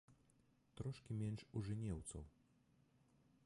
Трошкі менш у жэнеўцаў.